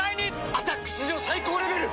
「アタック」史上最高レベル！